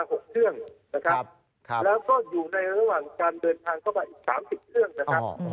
แล้วก็อยู่ในระหว่างการเดินทางเข้ามาอีก๓๐เครื่องนะครับ